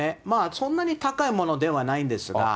そんなに高いものではないんですが。